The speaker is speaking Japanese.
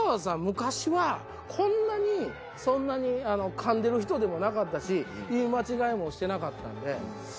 昔はこんなにそんなにかんでる人でもなかったし言い間違いもしてなかったんで。